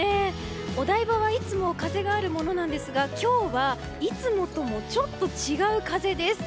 お台場はいつも風があるものなんですが今日は、いつもともちょっと違う風です。